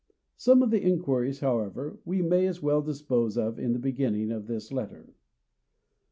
Some of the inquiries, however, we may as well dispose of in the beginning of this letter.